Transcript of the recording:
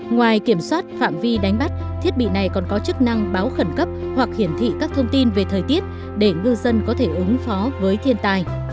ngoài kiểm soát phạm vi đánh bắt thiết bị này còn có chức năng báo khẩn cấp hoặc hiển thị các thông tin về thời tiết để ngư dân có thể ứng phó với thiên tài